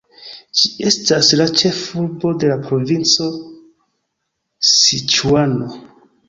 Ĝi estas la ĉef-urbo de la provinco Siĉuano.